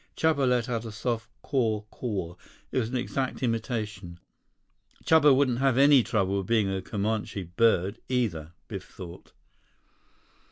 85 Chuba let out a soft "caw, caw." It was an exact imitation. Chuba wouldn't have any trouble being a "Comanche bird," either, Biff thought.